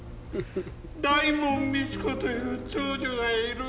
大門未知子という長女がいる。